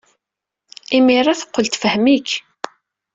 Imir-a, teqqel tfehhem-ik.